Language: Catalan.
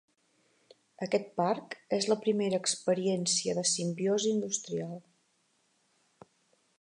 Aquest parc és la primera experiència de simbiosi industrial.